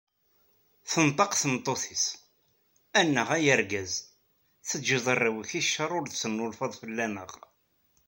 Tenṭeq tmeṭṭut-is: “Annaɣ a argaz, teğğiḍ arraw-ik i cce ur d-tennulfaḍ fell-aɣ."